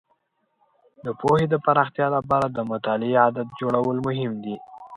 د پوهې د پراختیا لپاره د مطالعې عادت جوړول مهم دي.